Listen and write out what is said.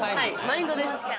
マインドです。